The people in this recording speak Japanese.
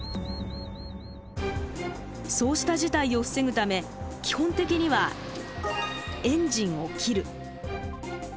そうした事態を防ぐため基本的にはエンジンを切る。